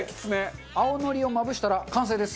青のりをまぶしたら完成です。